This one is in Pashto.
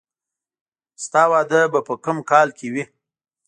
د تا واده به په کوم کال کې وي